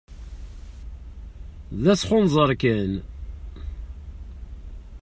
D asxenzer kan!